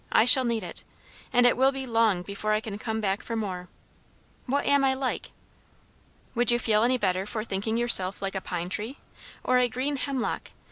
I shall need it. And it will be long before I can come back for more. What am I like?" "Would you feel any better for thinking yourself like a pine tree? or a green hemlock?